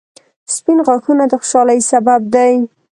• سپین غاښونه د خوشحالۍ سبب دي